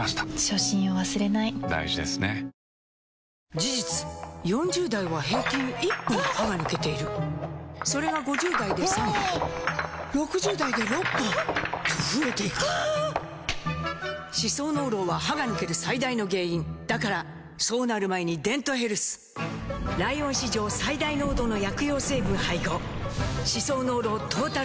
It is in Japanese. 事実４０代は平均１本歯が抜けているそれが５０代で３本６０代で６本と増えていく歯槽膿漏は歯が抜ける最大の原因だからそうなる前に「デントヘルス」ライオン史上最大濃度の薬用成分配合歯槽膿漏トータルケア！